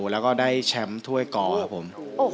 แล้วก็ได้แชมป์ถ้วยกอครับผม